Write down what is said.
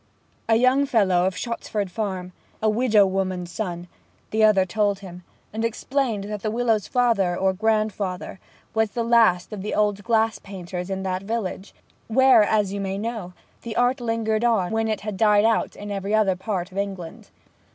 'A young fellow of Shottsford Forum a widow woman's son,' the other told him, and explained that Willowes's father, or grandfather, was the last of the old glass painters in that place, where (as you may know) the art lingered on when it had died out in every other part of England.